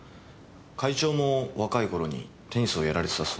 会長も若い頃にテニスをやられてたそうなので。